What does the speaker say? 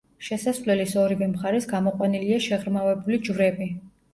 შესასვლელის ორივე მხარეს გამოყვანილია შეღრმავებული ჯვრები.